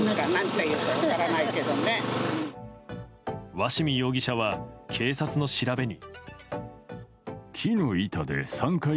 鷲見容疑者は警察の調べに。